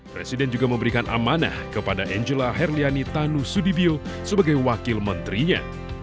presiden juga memberikan amanah kepada angela herliani tanu sudibyo sebagai wakil menterinya